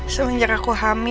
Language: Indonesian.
sehingga aku hamil